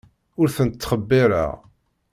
Ur tent-ttxebbireɣ.